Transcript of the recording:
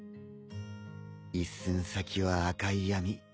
一寸先は赤い闇。